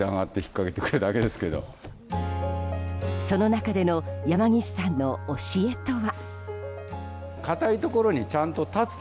その中での山岸さんの教えとは。